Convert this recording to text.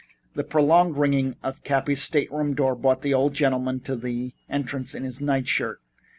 A prolonged ringing at Cappy's stateroom door brought the old gentleman to the entrance in his nightshirt.